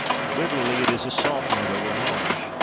Literally, it is "salt meadow, or marsh."